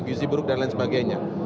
gizi buruk dan lain sebagainya